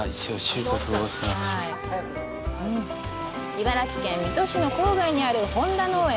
茨城県水戸市の郊外にある本田農園